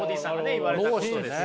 言われたことですよ。